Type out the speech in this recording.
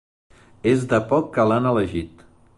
És de poc que l'han elegit.